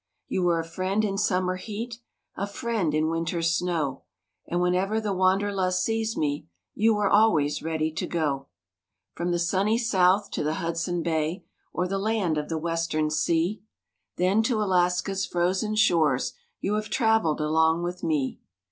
You were a friend in summer heat, A friend in winter's snow; And whenever the wanderlust seized me, You were always ready to go. From the sunny South to the Hudson Bay Or the land of the Western Sea; Then to Alaska's frozen shores You have traveled along with me.